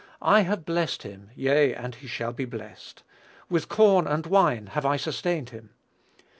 "I have blessed him; yea, and he shall be blessed." "With corn and wine have I sustained him."